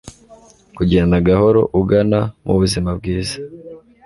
kugenda gahoro ugana mubuzima bwiza